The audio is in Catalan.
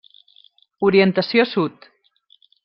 Orientació Sud.